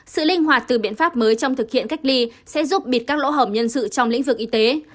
sự linh hoạt từ biện pháp mới trong thực hiện cách ly sẽ giúp bịt các lỗ hổng nhân sự trong lĩnh vực y tế